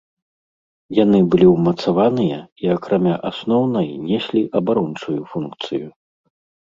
Яны былі ўмацаваныя і акрамя асноўнай неслі абарончую функцыю.